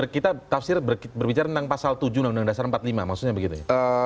kita tafsir berbicara tentang pasal tujuh undang undang dasar empat puluh lima maksudnya begitu ya